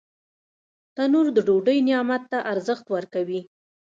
تنور د ډوډۍ نعمت ته ارزښت ورکوي